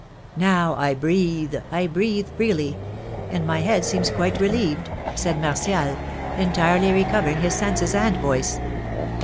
"Now I breathe! I breathe freely! And my head seems quite relieved!" said Martial, entirely recovering his senses and voice.